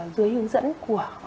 dưới hướng dẫn của